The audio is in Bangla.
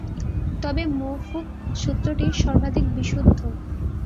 তবে মওফূক সূত্রটিই সর্বাধিক বিশুদ্ধ।